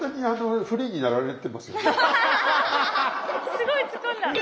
すごいツッコんだ。